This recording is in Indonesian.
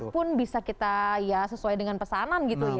walaupun bisa kita sesuai dengan pesanan gitu ya